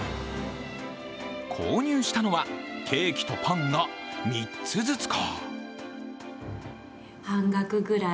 購入したのは、ケーキとパンが３つずつか。